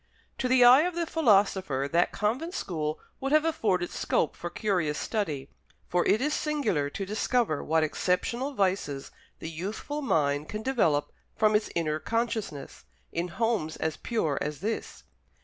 To the eye of the philosopher that convent school would have afforded scope for curious study; for it is singular to discover what exceptional vices the youthful mind can develop from its inner consciousness, in homes as pure as this.